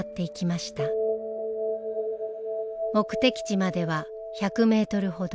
目的地までは１００メートルほど。